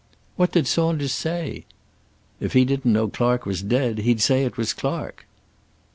"What did Saunders say?" "If he didn't know Clark was dead, he'd say it was Clark."